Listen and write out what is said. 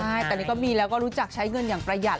ใช่แต่นี่ก็มีแล้วก็รู้จักใช้เงินอย่างประหยัด